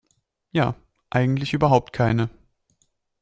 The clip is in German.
Ja, eigentlich überhaupt keine.